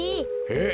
え？